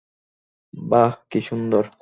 বাহ, কী সুন্দর!